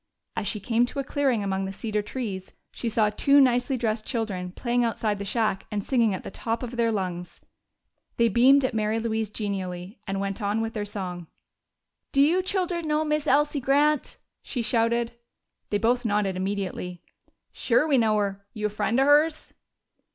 As she came to a clearing among the cedar trees she saw two nicely dressed children playing outside the shack and singing at the top of their lungs. They beamed at Mary Louise genially and went on with their song. "Do you children know Miss Elsie Grant?" she shouted. They both nodded immediately. "Sure we know her! You a friend o' hers?"